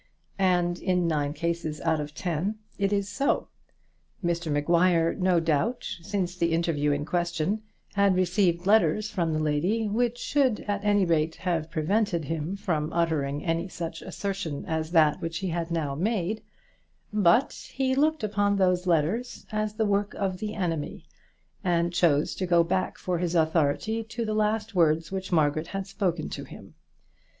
And in nine cases out of ten it is so. Mr Maguire, no doubt, since the interview in question, had received letters from the lady which should at any rate have prevented him from uttering any such assertion as that which he had now made; but he looked upon those letters as the work of the enemy, and chose to go back for his authority to the last words which Margaret had spoken to him.